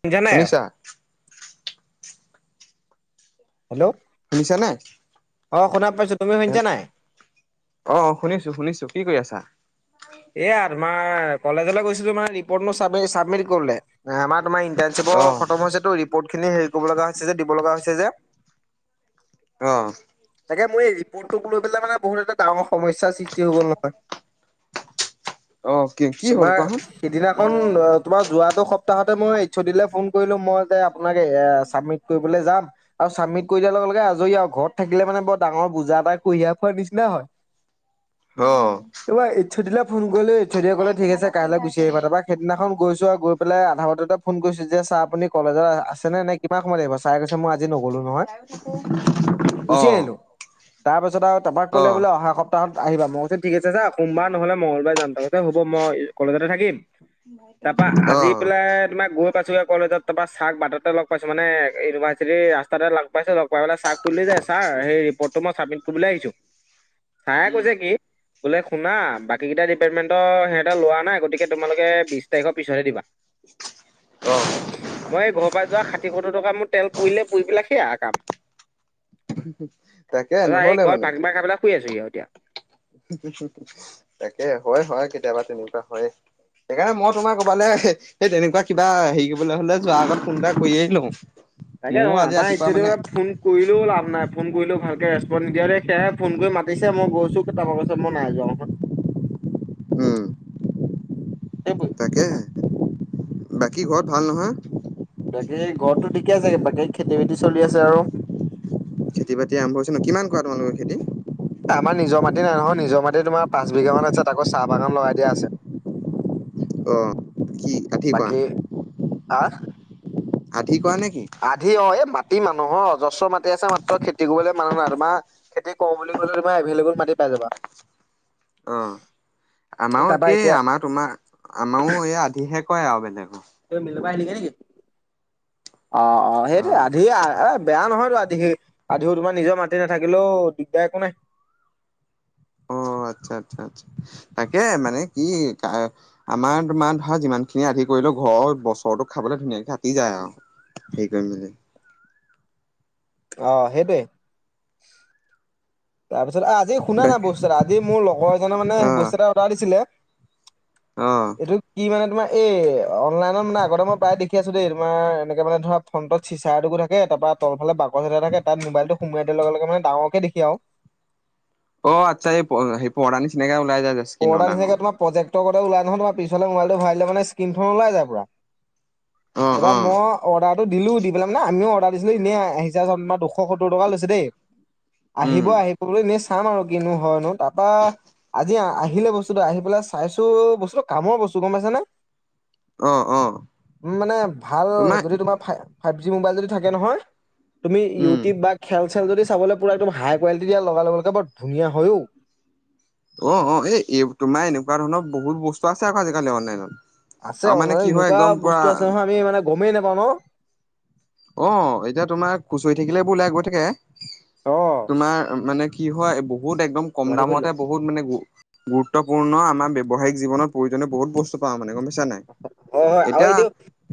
বুজা নাই। শুনিছা হেল্ল' শুনিছানে? অ' শুনা পাইছোঁ তুমি শুনিছা নাই? অ' শুনিছো শুনিছো, কি কৰি আছা? এ আমাৰ কলেজলৈ গৈছিলো মানে ৰিপৰ্ত মোৰ চাবমিট চাবমিট কৰিবলে। আমাৰ তোমাৰ অ ইণ্টাৰ্ণশ্বিপৰ খতম হৈছেটো ৰিপৰ্ট খিনি হেৰি কৰিব লগা হৈছে যে দিব লগা হৈছে যে। অ। তাকে মই এই ৰিপৰ্টোক লৈ পেলাই মানে বহুত এটা ডাঙৰ সমস্যাৰ সৃষ্টি হৈ গ'ল নহয়। অ কি কি হ'ল তোমাৰ কোৱাচোন? সিদিনাখন তোমাৰ যোৱাটো সপ্তাহতে মই এইছ অ দিলৈ ফোন কৰিলোঁ মই যে আপোনাক এয়া ছাবমিট কৰিবলৈ যাম আৰু চাবমিত কৰি দিয়াৰ লগে লগে আজৰি আৰু ঘৰত থাকিলে মানে বৰ ডাঙৰ বুজা এটা কঢ়িয়াই ফোৰাৰ নিচিনা হয়। অ'। তোমাৰ এইচদিলে ফোন কৰিলো এইছদিয়ে কলে ঠিক আছে কাইলৈ গুচি আহিবা তাৰপা। সেইদিনাখন গৈছো আৰু গৈ পেলাই আধা বাটতে ফোন কৰিছো যে ছাৰ আপুনি কলেজত আছেনে নাই কিমান সময় আহিব ছাৰে কৈছে- যে মই আজি নগলো নহয়, অ গুচি আহিলোঁ। তাৰ পাছত আও তাপাক অ কলে বোলে অহা সপ্তাহত আহিবা মই কৈছোঁ ঠিক আছে ছাৰ সোমবাৰ নহলে মংগলবাৰ যাম মই কলেজতে থাকিম তাৰ পা অ আজি পেলাই তোমাক গৈ পাইছোঁ গে। কলেজত তাৰ পৰা ছাৰক বাটতে লগ পাইছো মানে ইউনিভাৰ্চিটিৰ ৰাস্তাতে লগ পাইছো লগ পাই বোলে ছাৰক ক'লো যে ছাৰ সেই ৰিপোৰ্টটো মই চাবমিট কৰিবলে আহিছো। চাৰে উম কৈছে কি বোলে শুনা বাকী কেইটা ডিপাৰ্টমেণ্ট সিহঁতৰ লোৱা নাই গতিকে তোমালোকে বিচ তাৰিখৰ পিছতহে দিবা। অ মই এই ঘৰৰ পৰা যোৱা ষাঠি সত্তৰ টকা মোৰ তেল পুৰিলে পুৰি পেলাই সেয়া কাম। তাকে তাৰপা নহলে সেই মানে ঘৰত মাৰ খাই পেলাই শুই আছোহি এতিয়া। তাকে, হয় হয় কেতিয়াবা তেনেকুৱা হয়ে। সেইকাৰণে মই তোমাৰ ক'বালে সেই তেনেকুৱা কিবা হেৰি কৰিবলৈ হলে যোৱাৰ আগত ফোন এটা কৰিয়েই লওঁ। তাকে তু ময়ো আজি আমাৰ ৰাতিপুৱা এইছডি মানে বা ফোন কৰিলেও লাভ নাই ফোন কৰিলেও ভালকে ৰেচপন্ নিদিয়া দেই সেয়ে ফোন কৰি মাতিছে মই গৈছোঁ। তাৰপা কৈছে মই নাই যোৱা নহয়। উম সেইবোৰে তাকে, বাকী ঘৰত ভাল নহয়? বাকী ঘৰততো ঠিকেই আছে বাকী খেতি বাতি চলি আছে আৰু। খেতি বাতি আৰম্ভ হৈছে ন। কিমান কৰা তোমালোকৰ খেতি? আমাৰ নিজৰ মাটি নাই নহয় নিজৰ মাটি তোমাৰ পাঁচ বিঘা মান আছে তাকো চাহ বাগান লগাই দিয়া আছে। অ কি আধিবা বাকী আ আধি কৰা নেকি? আধি অ এই মাটি মানুহৰ অজস্বৰ মাটি আছে। মাত্ৰ খেতি কৰিবলে মানুহ নাই। তোমা খেতি কও বুলি কলে তোমাৰ এভিলেবল মাটি পাই যাবা। অ আমাৰো তাৰপা একেই, এতিয়া আমাৰ তোমাৰ আমাৰো এই আধিহে কয় আও বেলেগৰ। তে মিলৰ পৰা আহিলে গে নেকি? অ অ সেইটো অ', আধি আ বেয়া নহয়তো আধ- তে সেই আধিও তোমাৰ নিজৰ মাতি নাথাকিলেও দিগদাৰ একো নাই। অ', আত্চ্ছা আত্চ্ছা আত্চ্ছা তাকে মানে কি? আমাৰ তোমাৰ ধৰা যিমান খিনি আধি কৰিলেও ঘৰৰ বছৰতো খাবলৈ ধুনীয়াকে আ তি যায় আও সেই কৰি মেলি। অ সেইটোৱে। তাৰপিছত আজি শুনা নাই বস্তু এটা, আজি মোৰ লগৰ এজনে মানে অ', বস্তু এটা অৰ্ডাৰ দিছিলে অ এইটো কি মানে তোমাৰ এই অনলাইনত মানে আগতে মই প্ৰায় দেখি আছো দেই, তোমাৰ এনেকে মানে ধৰা ফ্ৰটত চিচাৰ এটুকু থাকে, তাপা তলফালে বাগচ এটা থাকে, তাত মবাইলটো সোমাৱাই দিয়াৰ লগে লগে মানে ডাঙৰকে দেখি আও। অ আত্চ্ছা এই সেই পৰদা নিচিনাকে ওলাই যায় যে। স্কিনৰ পৰ্ডাৰ ডাঙৰ নিচিনাকে তোমাৰ প্ৰজেক্টৰ গতে ওলাই নহয়, তোমাৰ পিছফালে মোবাইটো ভৰাই দিলে মানে স্ক্ৰীণখন ওলাই যায় পুৰা। অ', তাপা অ', ম অৰ্ডাৰটো দিলো, দি পেলাই মানে আমিও অৰ্ডাৰ দিছিলোঁ এনে এহেজাৰ চাম দুশ সত্তৰ টকা লৈছে দেই। উম, আহিব আহিব বুলি এনেই চাম আৰু কিনো হয়নো। তাৰপা আজি আহ আহিলে বস্তুটো আহি পেলাই চাইছো বস্তুটো কামৰ বস্তু গম পাইছা নে? অ', অ', উম মানে ভাল যদি তোমাৰ ফাই ফাইপ জি মোবাইল যদি থাকে নহয়, তুমি উম, ইউটিউব বা খেল-চেল যদি চাবলৈ পুৰা হাই কুৱালিটি তেতিয়া লগাই লগে বৰ ধুনীয়া হয় অ। অ অ এ এই তোমাৰ এনেকুৱা ধৰণৰ বহুত বস্তু আছে আকৌ আজিকালি অনলাইনত। আছে আৰু মানে অনলাইনত কি হয় এনেকুৱা একদম পুৰা বস্তু আছে নহয়, আমি মানে গমেই নাপাওঁ ন? অঁ এতিয়া তোমাৰ খুচৰি থাকিলে এবোৰ ওলাই গৈ থাকে। অ, তোমা মানে কি হয়, বহুত একদম কম তোমাৰটো খুলি ল। দামতে ব বহুত মানে গু গুৰুত্বপূৰ্ণ আমাৰ ব্যৱসায়িক জীৱনত প্ৰয়োজনীয় বহুত বস্তু পাওঁ মানে, গম পাইছা নাই? হয় হয় আও এতিয়া এইটো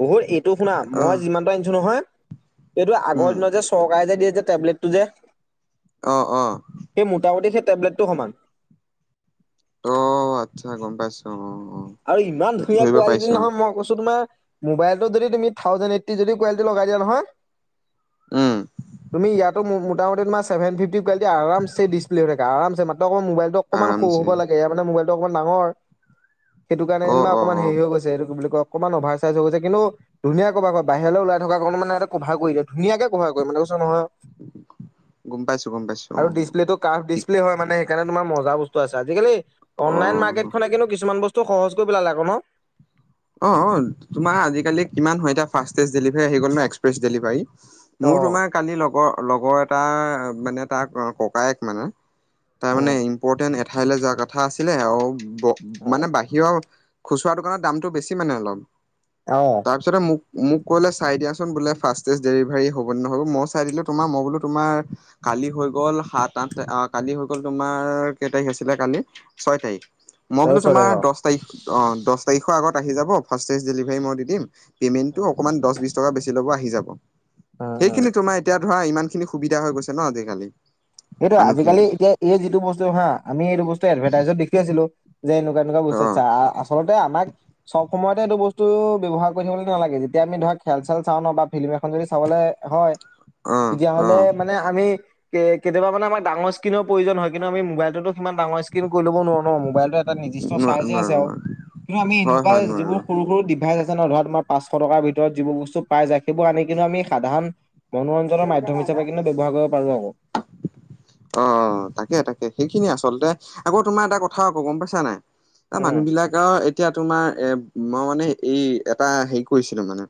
বহুত এইটো শুনা মই আহ যিমানটা আনিছো নহয় এইটো আগৰ উম দিনত যে চৰকাৰে যে দিয়ে যে টেবলেটটো যে। অ অ। সেই মোটামুটি সেই টেবলেটটো সমান। অ আত্চ্ছা, গম পাইছো অ অ। আৰু ইমান ধুনীয়া ধৰিব কোৱালিটি পাইছো অ নহয় মই কৈছো তোমাৰ মোবাইলটো যদি তুমি থাউজেণ্ড এইটি যদি কোৱালিটি লগাই দিয়া নহয় উম তুমি ইয়াতো মোটামুটি তোমাছ চভেন ফিফটি কুৱিটি আৰামছে ডিছপ্লে হৈ থাকে, আৰামছে মাত্ৰ আক মোবাইলটো অকণমান স'ও আৰামছে হব লাগে এয়া মানে মোবাইলটো অকমান ডাঙৰ, সেইটো কাৰণে অ যেনিবা অ অকমান অ হেৰি হৈ গৈছে, এইটো বুলি কয় অকণমান অভাৰ চাইজ হৈ গৈছে। কিন্তু ধুনীয়া কভাৰ ক, বাহিৰলে ওলাই থকা কৰণে মানে সেতে কভাৰ কৰি দিয়ে, ধুনীয়াকে কভাৰ কয়ে মানে কৈছো নহয়। গম পাইছো, গম পাইছো অঁ। কাফ ডিচপ্লে হয় মানে, সেইকাণে তোমাৰ মজা বস্ত আছে। আজি কালি অ অনলাইন মাৰ্কেট খনে কিন্তু কিছমান বস্তু টো সহজ কৰি পেলালে আক ন? অঁ অঁ তোমাৰ আজিকালি কিমান হয়। এতিয়া ফাষ্টেষ্ট ডেলিভাৰী আহি গ'ল ন এক্সপ্ৰেছ ডেলিভাৰী। মোৰ অ', তোমাৰ কালি লগৰ লগৰ এটাৰ মানে তাৰ ককায়েক মানে তাৰ মানে উম, ইম্পৰ্টেণ্ট এঠাইলে যোৱা কথা আছিলে! আও ব মানে বাহিয়ৰ খুচুৰা দোকানত দামটো বেছি মানে অলপ। অঁ। তাপিছতে মোক মোক ক'লে চাই দিয়াচোন বোলে ফাষ্টেষ্ট ডেলিভাৰী হ'ব নহব। মই চাই দিলো তোমাৰ মই বোলো তোমাৰ কালি হৈ গ'ল সাত-আঠ তা অ কালি হৈ গ'ল তোমাৰ, কেই তাৰিখ আছিলে কালি? ছয় তাৰিখ। মই বোলো তাৰপিছত তোমাৰ আকৌ দশ‌তাৰিখ অ দশ তাৰিখৰ আগত আহি যাব ফাৰ্ষ্টেজ ডেলিভাৰী মই দি দিম পিমেন্টটো অকমান দশ বিশ টকা বেছি লব আহি যাব। সেইখিনি তোমাৰ এতিয়া ধৰা ইমান খিনি সুবিধা হৈ গৈছে ন আজিকালি। সেইটো মানুহখিনি আজিকালি এতিয়া এই যিটো বস্তু হাঁ, আমি এইটো বস্তু এডভাৰ্টাইজত দেখি আছিলো। যে এনেকুৱা একুৱা অঁ বচাচা আচলতে আমাক চব সময়তে এইটো বস্তু ব্যৱহাৰ কৰি থাকিবলৈ নালাগে, যেতিয়া আমি ধৰা খেল-চেল চাওঁ ন বা ফিল্ম এখন যদি চাবলৈ হয় অঁ তেতিয়াহলে অঁ। মানে আমি কে কেতিয়াবামানে আমাক ডাঙস্কিন প্ৰয়োজন হয় কিন্তু আমি মোবাইলতোটো সিমান ডাঙৰ স্কিন কৰি লব নোৱাৰো ন মোবাইলটোৱে টা নিৰ্দিষ্ট নোৱাৰ চাইৰ্জে আছে নোৱাৰো আও নোৱাৰো কিনো আমি হয় এনেকুৱা হয় যিবোৰ নোৱাৰো সৰু সৰু ডিভাইচ আছে ন ধৰা তোমাৰ পাঁচশ টকাৰ ভিতৰত যিবোৰ বস্তু পাই যায় সেইবোৰ আনি কিনেও আমি সাধাৰণ মনোৰঞ্জনৰ মাধ্যম হিচাপে কিননো ব্যৱহাৰ কৰিব পাৰোঁ আক। অ অ তাকে তাকে সেইখিনিয়ে আচলতে আকৌ তোমাৰ এটা কথা আকৌ গম পাইছা নাই। এহ উম মানুহ বিলাক আও এতিয়া তোমাৰ এ মই মানে এই এটা সেই কৰিছিলো মানে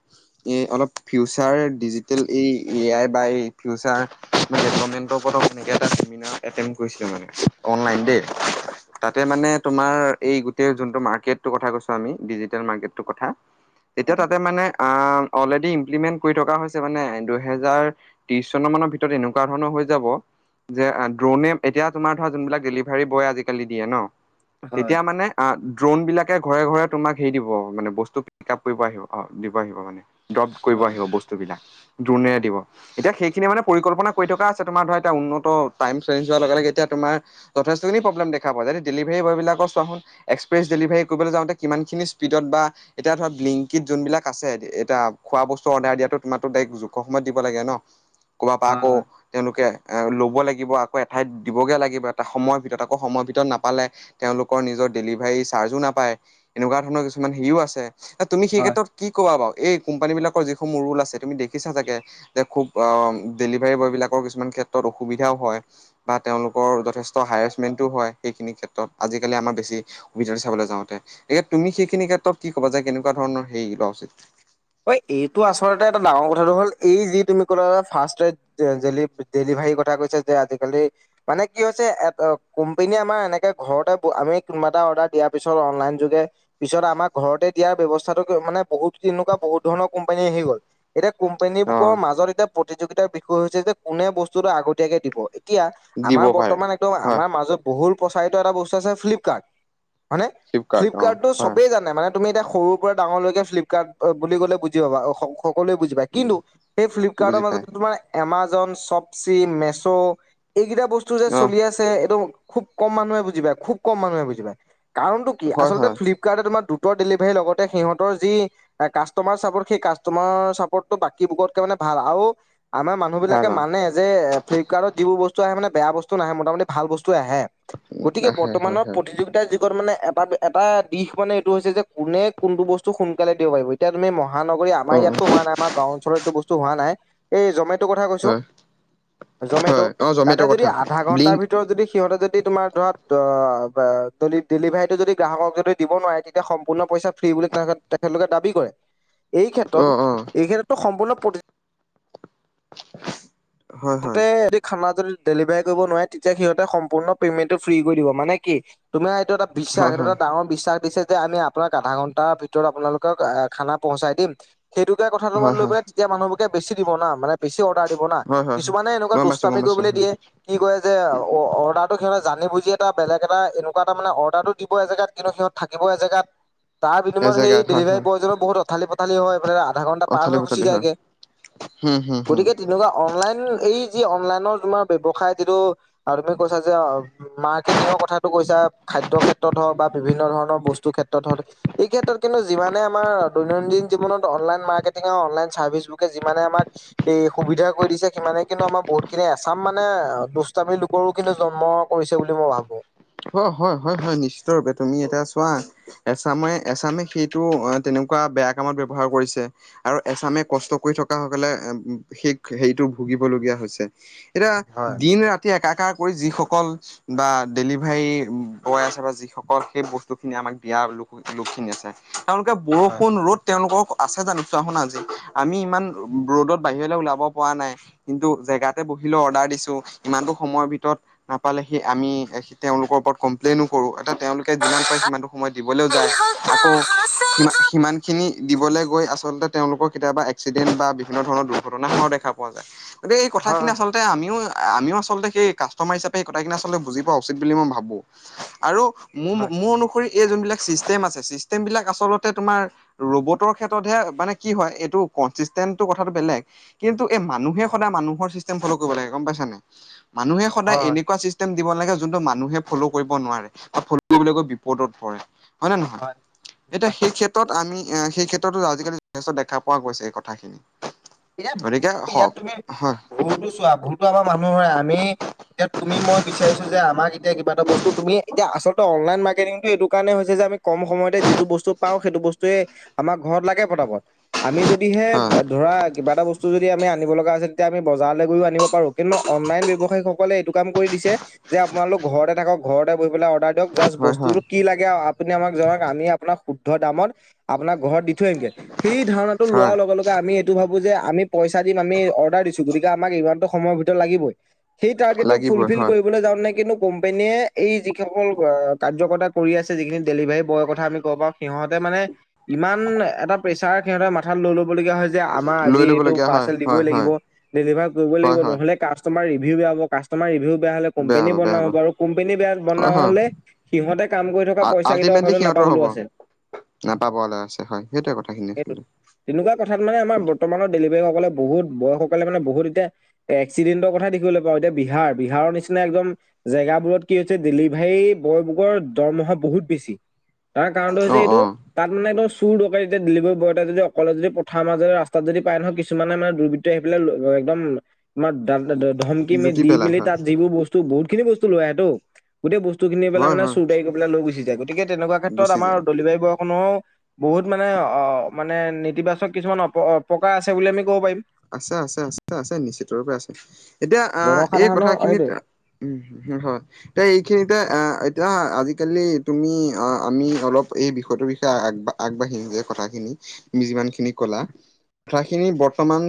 এই অলপ ফিউচাৰ ডিজিটেল এই এ আই বাই ফিউচাৰ ডেভলপমেণ্টৰ ওপৰত অ তেনেকে এটা চেমিনাৰ এটেন্ট কৰিছিলো মানে। অ অনলাইন দেই। তাতে মানে তোমাৰ এই গোটেই যোনটো মাৰ্কেটটো কথা কৈছো আমি ডিজিটেল মাৰ্কেটটো কথা। অ তেতিয়া তাতে মানে আহ অলৰেডি ইমপ্লিমেন্ট কৰি থকা হৈছে মানে দুহে হেজাৰ ত্ৰিশ চন মান ভিতৰত এনেকুৱা ধৰণৰ হৈ যাব যে ড্ৰৌনে এতিয়া তোমাৰ ধৰা যোনবিলাক ডেলিভাৰী বয় আজিকালি দিয়ে ন হয় তেতিয়া মানে অ ড্ৰোন বিলাকে ঘৰে ঘৰে তোমাক হেৰি দিব মানে বস্তু পিক আপ কৰিব আহিব অ দিব আহিব মানে। ড্ৰপ কৰিব হয় আহিব বস্তুবিলাক দ্ৰোণেৰে দিব। এতিয়া সেইখিনি মানে পৰিকল্পনা কৰি থকা আছে তোমাৰ ধৰা এতিয়া উন্নত টাইম চেঞ্জ হোৱাৰ লগে লগে এতিয়া তোমাৰ যথেষ্টখিনি প্ৰব্লেম দেখা পোৱা যায়, যদি ডেলিভাৰী বয়বিলাকৰ চোৱাহোন। এক্সপ্ৰেছ ডেলিভাৰী কৰিবলৈ যাওঁতে কিমানখিনি স্পীডত বা এতিয়া ধৰা বিলিংকিত যোন বিলাক আছে এতিয়া খোৱা বস্তু অৰ্ডাৰ দিয়াতো তোমাৰটো দাৰেক যোগ কম সময়ত দিব লাগে ন, কৰবাৰ পা আকৌ হয় তেওঁলোকে ল'ব লাগিব আকৌ এঠাইত দিবগৈ লাগিব এটা সময়ৰ ভিতৰত আকৌ সময়ৰ ভিতৰত নাপালে তেঁওলোকৰ নিজৰ ডেলিভাৰী চাৰ্জো নাপায় এনেকুৱা ধৰণৰ কিছুমান হেৰিও আছে এ তুমি সেই হয় ক্ষেত্ৰত কি কবা বাও এই কোম্পানী বিলাকৰ যিসমূহ ৰোল আছে তুমি দেখ খিছা চাগে যে খুব অ ডেলিভাৰী বয় বিলাকৰ কিছুমান ক্ষেত্ৰত অসুবিধাও হয়। বা তেওঁলোকৰ যথেষ্ট হাৰেছমেণ্টো হয় সেইখিনি ক্ষেত্ৰত আজিকালি আমাৰ বেছি সুবিধাটো চাবলে যাওঁতে একে তুমি সেইখিনি ক্ষেত্ৰত কি ক'বা যে কেনেকুৱা ধৰণৰ সেই লৱা উচিত। ঐ এইটো আচলতে এটা ডাঙৰ কথাটো হ'ল এই যি তুমি ক'লা যে ফাৰ্ষ্ট ট্ৰাইদ যে জেলিপ ডেলিভাৰীৰ কথা কৈছে যে আজিকালি মানে কি হৈছে এ ত কোম্পানীয়ে আমাৰ এনেকে ঘৰতে আমি কোনোবা এটা অৰ্ডাৰ দিয়া পিছত অনলাইন যোগে পিছত আমাক ঘৰতে দিয়াৰ ব্যৱস্থাটো গৈ মানে বহুত কিনোকাপ বহুত ধৰণৰ কোম্পানী আহি গ'ল এতিয়া কোম্পানী অ বোৰৰ মাজত এতিয়া প্ৰতিযোগিতাৰ বিষয় হৈছে যে কোনে বস্তুটো আগতীয়াকে দিব এতিয়া দিব আমাৰ পাৰে বৰ্তমান একদম হয় আমাৰ মাজত বহুল প্ৰচাৰিত এটা বস্তু আছে ফ্লিপকাৰ্ট হয়নে, ফ্লিপকাৰ্ট টো চবেই জানে মানে তুমি এতিয়া সৰুৰ পৰা ডাঙৰলৈকে ফ্লিপকাৰ্ট বুলি ক'লে বুজি পাবা সকলোৱে বুজি পায় হয় কিন্তু সেই ফ্লিপকাৰ্টৰ বুজি পায় মাজতে তোমাৰ এমাজন, চপচি, মেছো এইকেইটা বস্তু যে অ চলি আছ ছে এইটো খুব কম মানুহে বুজি পাই খুব কম মানুহে বুজি পায় কাৰণটো কি হয় আচলতে হয় ফ্লিপ কাৰ্টতে তোমাৰ দ্ৰুতৰ ডেলিভাৰী লগতে সিহঁতৰ যি কাষ্টমাৰ চাপৰ্ট সেই কাষ্টমাৰ চাপৰ্টটো বাকীবোকতকে মানে ভাল আও আমাৰ ভাল মানুহবিলাকে অ মানে যে ফ্লিপকাৰ্টত যিবোৰ বস্তু আহে মানে বেয়া বস্তু নাহে মোটামুটি ভাল বস্তুৱে আহে গতিকে হয় হয় বৰ্তমানৰ হয় প্ৰতিযোগিতাৰ যুগ। মানে এটা এটা দিশ মানে এইটো হৈছে যে কোনে কোনটো বস্তু সোনকালে দিব পাৰিব এতিয়া তুমি মহা মহানগৰী অ অ আমাৰ ইয়াতো হোৱা নাই আমাৰ গাওঁ অঞ্চলত এটো বস্তু হোৱা নাই, এই জমেটৰ কথা কৈছো হয় জমেট' হয় অ তাতে জমেট' যদি কথা আধা ঘন্টাৰ ব্লিংক ভিতৰত যদি সিহঁতে যদি তোমাৰ ধৰা ডেলিভাৰীটো যদি গ্ৰাহকক যদি দিব নোৱাৰে তেতিয়া সম্পূৰ্ণ পইচা ফ্ৰী বুলি তেখেতলোকে দাবী কৰে, এই অ ক্ষেত্ৰত অ এই ক্ষেত্ৰতো সম্পূৰ্ণ প্ৰতি হয় হয় সিহঁতে যদি খানা যদি ডেলিভাৰী কৰিব নোৱাৰে তেতিয়া সিহঁতে সম্পূৰ্ণ পেমেন্ট টো ফ্ৰী কৰি দিব, মানে কি? তোমাৰ এইটো এটা বিশ্বাস হয় এইটো হয় এটা ডাঙৰ বিশ্বাস দিছে যে আমি আপোনাক আধা ঘন্টাৰ ভিতৰত আপোনালোকক আহ খানা পহুচাই দিম সেইটোকে কথা তোমাৰ হয় লৈ হয় পেলাই এতিয়া মানুহবোৰকে বেছি দিব না মানে বেছি অৰ্ডাৰ দিব না হয় হয় কিছুমানে এনেকুৱা গম পাইছো গম দুষ্টামি পাইছো কৰিবলৈ হয় দিয়ে। কি কয় যে অৰ্ডাৰটো সিহঁত জানি বুজি এটা বেলেগ এটা এনেকুৱা এটা মানে অৰ্ডাৰটো দিব এ জেগাত কিন্তু সিহঁত থাকিব এজেগাত তাৰ বিনিময়ত সেই এজেগাত হয় ডেলিভাৰী হয় বয়জনৰ বহুত উথালি পথালি হয়ে আধা ঘন্টা পাৰ অঠালি হৈ গুচি পঠালি হয় যায়গে। হম হম হম গতিকে তেনেকুৱা অনলাইন উম এই যি অনলাইনৰ তোমাৰ ব্যৱসায় যিটো তুমি কৈছা যে মাৰ্কেটিঙৰ কথাটো কৈছা খাদ্য ক্ষেত্ৰত হওঁক বা বিভিন্ন ধৰণৰ বস্তু ক্ষেত্ৰত হওক এই ক্ষেত্ৰত কিন্তু যিমানে আমাৰ দৈনন্দিন জীৱনত অনলাইন মাৰ্কেটিঙ আৰু অনলাইন চাৰ্ভিচ বুকে যিমানে আমাক এই সুবিধা কৰি দিছে। সিমানে কিন্তু আমাৰ বহুত খিনি এচাম মানে দুষ্টামি লোকৰো কিন্তু জন্ম কৰিছে বুলি মই ভাবো। হয়, হয় হয় হয় নিশ্চিত ৰূপে তুমি এতিয়া চোৱা এছামে এছামে সেইটো তেনেকুৱা বেয়া কামত ব্যৱহাৰ কৰিছে। আৰু এছামে কষ্ট কৰি থকা সকলে সেই হেৰিটো ভুগিবলগীয়া হৈছে। এতিয়া হয় দিন ৰাতি একাকাৰ কৰি যিসকল বা ডেলি ভাৰি বয় আছে বা যিসকল সেই বস্তুখিনি আমাক দিয়া লোক লোকখিনি আছে। তেওঁলোকে হয় বৰষুণ ৰ'দ তেওঁলোকক আছে জানো চোৱা শুনা আজি আমি ইমান ৰ'দত বাহিৰলৈ ওলাব পৰা নাই। কিন্তু জেগাতে বহিলৈ অৰ্ডাৰ দিছো ইমানতো সময়ৰ ভিতৰত নাপালে সি আমি তেওঁলোকৰ ওপৰত কমপ্লেইনো কৰো এতিয়া তেওঁলোকে যিমান পাৰে সিমানতটো সময় দিবলৈও যায় আকৌ সিমা সিমান খিনি দিবলৈ গৈ আচলতে তেওঁলোকৰ কেতিয়াবা এক্সিডেণ্ট বা বিভিন্ন ধৰণৰ দুৰ্ঘটনা হোৱাও দেখা পোৱা যায়। গতিকে এই কথাখিনি হয় আচলতে আমিও আমিও আচলতে সেই কাষ্টমাৰ হিচাপে এই কথাখিনি আচলতে বুজি পাওঁ। বুলি মই ভাবো আৰু হয় মোৰ অনুসৰি এই যোনবিলাক চিষ্টেম আছে ছিষ্টেমবিলাক আচলতে তোমাৰ ৰবটৰ ক্ষেত্ৰতহে মানে কি হয় এইটো কনচিষ্টেণ্ৰ টো কথাটো বেলেগ। কিন্তু এই মানুহে সদায় মানুহৰ চিষ্টেম ফল' কৰিব লাগে গম পাইচা নাই। মানুহে সদায় হয় এনেকুৱা চিষ্টেম দিব লাগে যোনটো মানুহে ফ'ল' কৰিব নোৱাৰে বা ফল কৰিবলৈ কৈ বিপদত পৰে হয় নে নহয়। এতিয়া সেই ক্ষেত্ৰত আমি সেই ক্ষেত্ৰতো আজিকালি যথেষ্ট দেখা পোৱা গৈছে এই কথাখিনি। গতিকে হ হয়। ভুলতো চোৱা ভুলতো আমাৰ মানুহৰে আমি এতিয়া তুমি মই বিচাৰিছো যে আমাক এতিয়া কিবা এটা বস্তু তুমি এতিয়া আচলতে অনলাইন মাৰ্কেটিংটো এইটো কাৰণে হৈছে যে আমি কম সময়তে যিটো বস্তু পাওঁ সেইটো বস্তুয়ে আমাৰ ঘৰত লাগে পতাপত। আমি যদিহে হয় ধৰা কিবা এটা বস্তু যদি আমি আনিব লগা আছে তেতিয়া আমি বজাৰলৈ গৈও আনিব পাৰোঁ কিন্তু অনলাইন ব্যৱসায়ীসকলে এইটো কাম কৰি দিছে যে আপোনালোক ঘৰতে থাকক ঘৰতে বহি পেলাই অৰ্ডাৰ দিয়ক জাষ্ট হয় বস্তুতটো হয় কি লাগে আপুনি আমাক জনাও আমি আপোনাক শু দামত আপোনাক ঘৰত দি থৈ আহিমগে সেই ধাৰণাটো হয় লোৱাৰ লগে লগে আমি এইটো ভাবো যে আমি পইচা দিম আমি অৰ্ডাৰ দিছো গতিকে আমাক ইমানতো সময়ৰ ভিতৰত লাগিবই। সেই টাৰ্গেতটো লাগিবই ফুলফিল হয় কৰি যাওতে নে কিন্তু কোম্পেনীয়ে এই যিসকল কাৰ্যকৰ্তা কৰি আছে যিখিনি ডেলিভাৰী বয়ৰ কথা আমি ক'ব পা সিহঁতে মানে ইমান এটা প্ৰেছাৰ সিহঁতে মাথাত লৈ ল'বলগীয়া হয় যে আ- আমাৰ লৈ আজি এইটো ল'বলগীয়া হয় পাৰচেল দিবই হয় লাগিব হয় ডেলিভাৰ কৰিবই লাগিব হয় হয় নহলে কাষ্ট কাষ্টমাৰ ৰিভিউ বেয়া হব কাষ্টমাৰ ৰিভিও বেয়া হলে হ'ব কোম্পানী বেয়া হ'ব বনাব বাৰু কোম্পানী বেয়া হয় বনাওঁ হয় হলে সিহঁতে কাম কৰি থকা পইচা কেইটাও হয়তো নাপাবলৈও আছে। তে নাপাবলে আছে হয় সেইটোৱে কথা খিনি সেইটো। আছিল। তেনেকুৱা কথাত মানে আমাৰ বৰ্তমানৰ ডেলিভাৰীসকলে বহুত বয়সকলে মানে বহুত এতিয়া। এক্সিডেণ্টৰ কথা দেখিবলৈ পাওঁ এতিয়া বিহাৰ বিহাৰৰ নিচিনা একদম জেগাবোৰত কি হৈছে ডেলিভাৰী বয়বোৰৰ দৰমহা বহুত বেছি। তাৰ কাৰণটো অ হৈছে এইটো অ তাত মানে একদম চুৰ দৰকাৰী এতিয়া ডেলিভাৰী বয় এটা যদি অকলে যদি পথাৰ মাজেৰে ৰাস্তা তাত যদি পায় নহয় কিছুমানে মানে দুৰ্বৃত্ত আহি পেলাই একদম আমাৰ ধমকি মেল লুটি দি পেলাই মেলি হয় তাত যিবোৰ বস্তু বহুত খিনি বস্তু লৈ আহেতো গোটেই বস্তু খিনি পেলাই হয় মানে হয় চুৰটাৰি। লৈ গুচি যায় গতিকে তেনেকুৱা ক্ষেত্ৰত গুচি আমাৰ যায় দেলিভাৰী বয় খনৰো। বহুত মানে অ মানে নেতিবাচক কিছুমান অপ অপকাৰ আছে বুলি আমি ক'ব পাৰিম। আছে আছে আছে আছে নিশ্চিত ৰূপে আছে এতিয়া আহ এই জনসাধাৰণৰ সেইটোৱে কথাখিনিত। উম হয়। তই এইখিনিতে এ এতিয়া আজিকালি তুমি আহ আমি অলপ এই বিষয়টোৰ বিষয়ে আগবাঢ়। আগবাঢ়ি যে কথাখিনি যিমান খিনি কলা। কথাখিনি বৰ্তমান